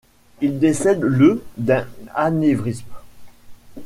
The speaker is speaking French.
Il décède le d'un anévrisme.